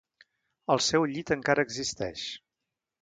El seu llit encara existeix.